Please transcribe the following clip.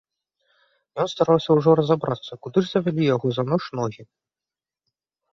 Ён стараўся ўжо разабрацца, куды ж завялі яго за ноч ногі?